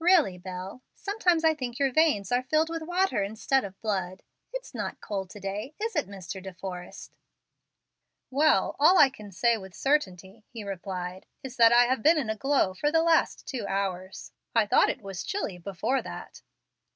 "Really, Bel, I sometimes think your veins are filled with water instead of blood. It's not cold to day, is it, Mr. De Forrest?" "Well, all I can say with certainty," he replied, "is that I have been in a glow for the last two hours. I thought it was chilly before that."